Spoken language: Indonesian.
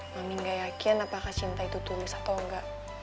mami gak yakin apakah cinta itu tulus atau enggak